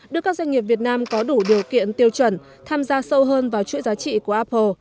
đưa các doanh nghiệp việt nam có đủ điều kiện tiêu chuẩn tham gia sâu hơn vào chuỗi giá trị của apple